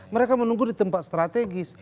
mereka menunggu di tempat strategis